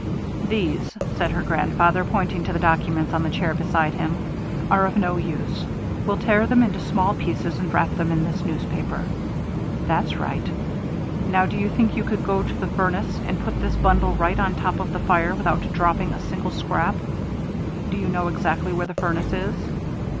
"These," said her grandfather, pointing to the documents on the chair beside him, "are of no use. We'll tear them into small pieces and wrap them in this newspaper. That's right. Now, do you think you could go to the furnace and put this bundle right on top of the fire, without dropping a single scrap? Do you know exactly where the furnace is?"